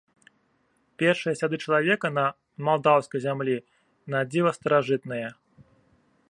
Першыя сляды чалавека на малдаўскай зямлі надзіва старажытныя.